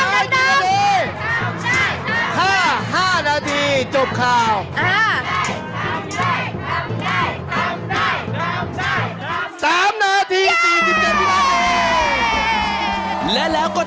เวลาไกลเร็ว